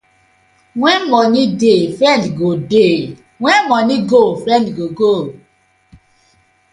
When money dey, friend go dey, when money go, friend go go.